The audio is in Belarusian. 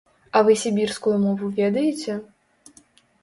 А вы сібірскую мову ведаеце?